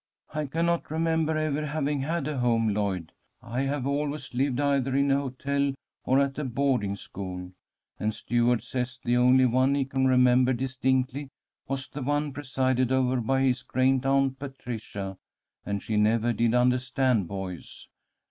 "'I cannot remember ever having had a home, Lloyd. I have always lived either in a hotel or at boarding school. And Stuart says the only one he can remember distinctly was the one presided over by his great aunt Patricia, and she never did understand boys.